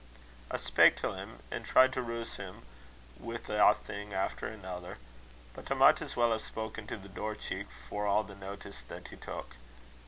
I spak' till him, an' tried to roose him, wi' ae thing after anither, bit I micht as weel hae spoken to the door cheek, for a' the notice that he took.